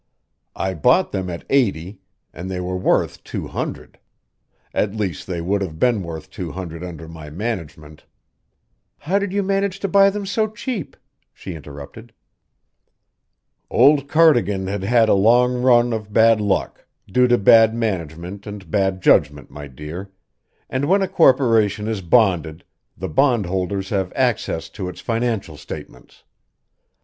I bought them at eighty, and they were worth two hundred; at least, they would have been worth two hundred under my management " "How did you manage to buy them so cheap?" she interrupted. "Old Cardigan had had a long run of bad luck due to bad management and bad judgment, my dear and when a corporation is bonded, the bondholders have access to its financial statements.